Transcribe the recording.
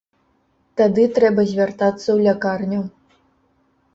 Тады трэба звяртацца ў лякарню.